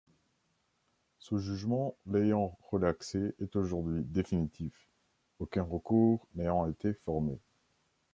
Ce Jugement l'ayant relaxé est aujourd'hui définitif, aucun recours n'ayant été formé.